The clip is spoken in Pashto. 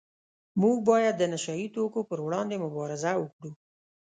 موږ باید د نشه یي توکو پروړاندې مبارزه وکړو